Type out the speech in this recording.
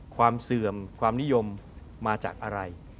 เสื่อมความนิยมมาจากอะไร